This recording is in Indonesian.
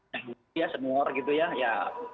nah ini ya semua gitu ya ya